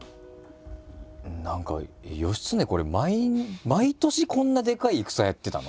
何か義経これ毎年こんなでかい戦やってたの？